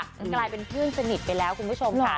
มันกลายเป็นเพื่อนสนิทไปแล้วคุณผู้ชมค่ะ